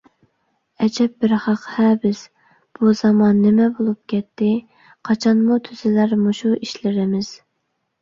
ئەجەب بىر خەق-ھە بىز! بۇ زامان نېمە بولۇپ كەتتى؟ قاچانمۇ تۈزىلەر مۇشۇ ئىشلىرىمىز؟!